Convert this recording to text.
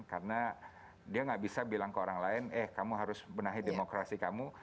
karena dia gak bisa bilang ke orang lain eh kamu harus benahi demokrasi kamu